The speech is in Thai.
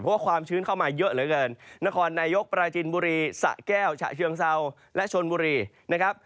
เพราะว่าความชื้นเข้ามาเยอะเหลือเกินนครนายกปราจินบุรีสะแก้วฉะเชิงเซาและชนบุรีนะครับ